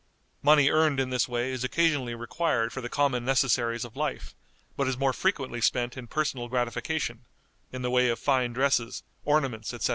Money earned in this way is occasionally required for the common necessaries of life, but is more frequently spent in personal gratification, in the way of fine dresses, ornaments, etc.